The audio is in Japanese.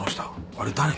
あれ誰？